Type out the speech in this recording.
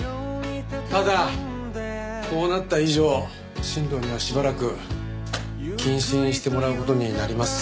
ただこうなった以上新藤にはしばらく謹慎してもらう事になります。